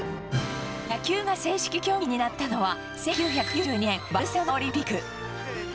野球が正式競技になったのは１９９２年バルセロナオリンピック。